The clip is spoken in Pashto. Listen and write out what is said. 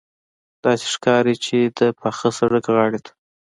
داسې ښکاري چې د پاخه سړک غاړې ته.